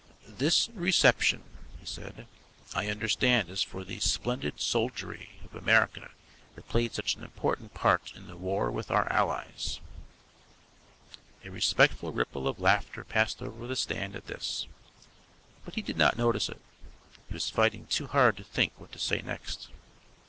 "This reception," he said, "I understand is for the splendid soldiery of America that played such an important part in the war with our Allies." A respectful ripple of laughter passed over the stand at this, but he did not notice it. He was fighting too hard to think what to say next.